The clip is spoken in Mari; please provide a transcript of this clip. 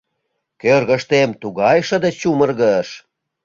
Кӧргыштем тугай шыде чумыргыш.